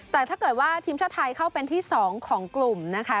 แต่ถ้าเกิดว่าทีมชาติไทยเข้าเป็นที่๒ของกลุ่มนะคะ